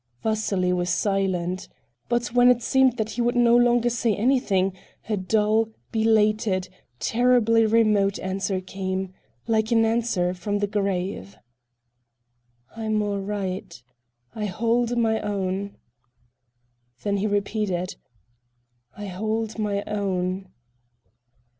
Vasily was silent. But when it seemed that he would no longer say anything, a dull, belated, terribly remote answer came—like an answer from the grave: "I'm all right. I hold my own." Then he repeated: "I hold my own."